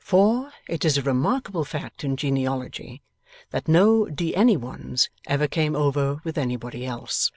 For, it is a remarkable fact in genealogy that no De Any ones ever came over with Anybody else.